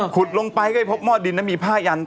ขุดลงไปก็จะพบหม้อดินนั้นมีผ้ายัน